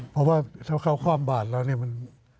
เพราะว่าถ้าเข้าข้ออำบาดแล้วเนี่ย